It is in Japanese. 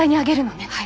はい。